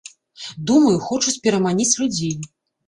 Думаю, хочуць пераманіць людзей.